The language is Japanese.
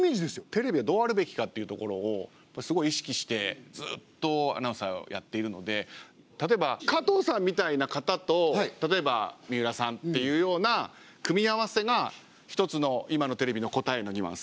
テレビはどうあるべきかっていうところをやっぱりすごい意識してずっとアナウンサーをやっているので例えば加藤さんみたいな方と例えば水卜さんっていうような組み合わせが一つの今のテレビの答えのニュアンス。